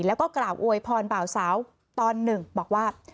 แล้วก็กล่าวอวยพรบ่าวสาวตอนหนึ่งบอกว่า